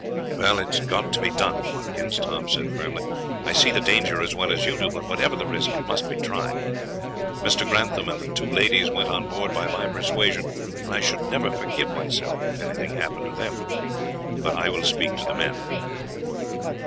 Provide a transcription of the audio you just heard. "Well, it's got to be done, Watkins," Tom said firmly. "I see the danger as well as you do, but whatever the risk it must be tried. Mr. Grantham and the two ladies went on board by my persuasion, and I should never forgive myself if anything happened to them. But I will speak to the men."